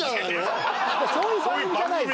そういう番組じゃないですか。